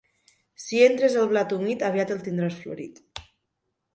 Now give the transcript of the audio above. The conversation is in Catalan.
Si entres el blat humit, aviat el tindràs florit.